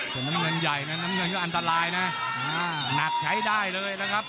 แต่น้ำเงินใหญ่นะน้ำเงินก็อันตรายนะหนักใช้ได้เลยนะครับ